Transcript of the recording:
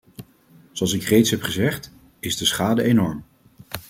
Zoals ik reeds heb gezegd, is de schade enorm.